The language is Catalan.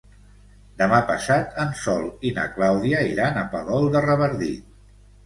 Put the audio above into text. Demà passat en Sol i na Clàudia iran a Palol de Revardit.